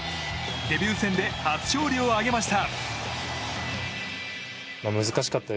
デビュー戦で初勝利を挙げました！